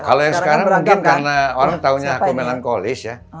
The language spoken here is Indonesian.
kalau yang sekarang mungkin karena orang taunya aku main lankolis ya